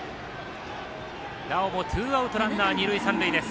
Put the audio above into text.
なおもツーアウトランナー、二塁三塁です。